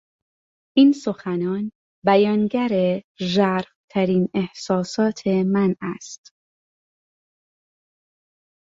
این سخنان بیانگر ژرف ترین احساسات من است.